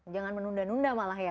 jangan menunda nunda malah ya